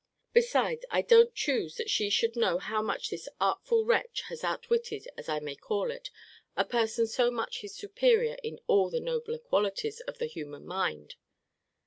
Besides, I don't choose that she should know how much this artful wretch has outwitted, as I may call it, a person so much his superior in all the nobler qualities of the human mind.